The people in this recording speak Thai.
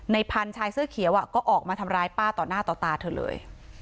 พันธุ์ชายเสื้อเขียวก็ออกมาทำร้ายป้าต่อหน้าต่อตาเธอเลย